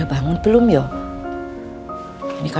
jangan lupa untuk berlhoh